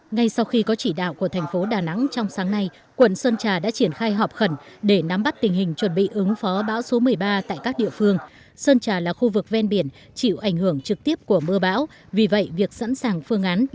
ngay sau khi có chỉ đạo của thành phố đà nẵng trong sáng nay quận sơn trà đã triển khai họp khẩn để nắm bắt tình hình chuẩn bị ứng phó bão số một mươi ba tại các địa phương